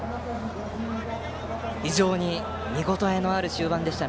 非常に見応えのある終盤でした。